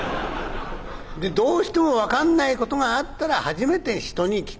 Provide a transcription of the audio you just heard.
でどうしても分かんないことがあったら初めて人に聞く。